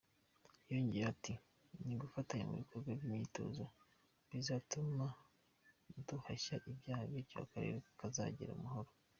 Yongeyeho ati ”Nidufatanya mu bikorwa by’imyitozo bizatuma duhashya ibyaha, bityo akarere kazagira amahoro.